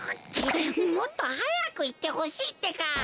もっとはやくいってほしいってか！